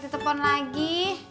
tidak ada lagi